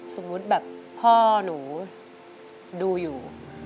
สมมุติแบบพ่อหนูดูอยู่